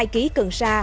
hai hai kg cần sa